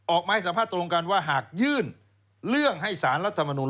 ออกมาให้สัมภาษณ์ตรงกันว่าหากยื่นเรื่องให้สารรัฐมนุน